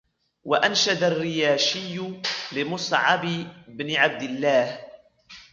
وَأَنْشَدَ الرِّيَاشِيُّ لِمُصْعَبِ بْنِ عَبْدِ اللَّهِ